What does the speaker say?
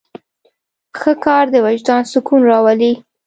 ښه کار د وجدان سکون راولي.